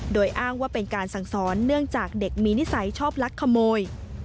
โดยอ้างว่าเป็นการสั่งสอนเนื่องจากเด็กมีนิสัยชอบลักขโมย